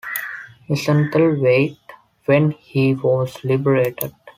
Wiesenthal weighed when he was liberated.